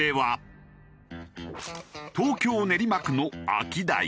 東京練馬区のアキダイ。